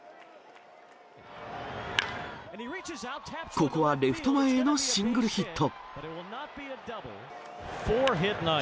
ここはレフト前へのシングルヒット。